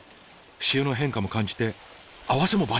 潮の変化も感じてあわせもバッチリ！